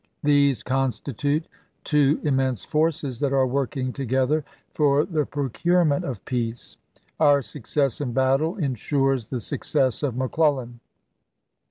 These constitute two immense forces that are working together for the procurement of peace. .. Our success in battle insures the suc cess of McClellan.